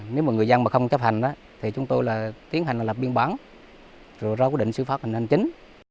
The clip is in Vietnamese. nếu mà người dân mà không chấp hành thì chúng tôi tiến hành là làm biên bán rồi ra quy định xử pháp hành hành chính